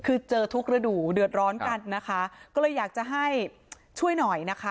คือเจอทุกฤดูเดือดร้อนกันนะคะก็เลยอยากจะให้ช่วยหน่อยนะคะ